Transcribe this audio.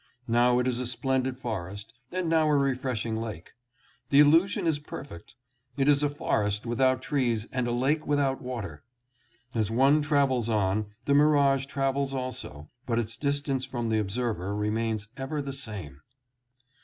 Now it is a splendid forest and now a refreshing lake. The illusion is per fect. It is a forest without trees and a lake without water. As one travels on, the mirage travels also, but its distance from the observer remains ever the same.